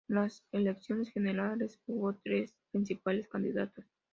En las elecciones generales hubo tres principales candidatos.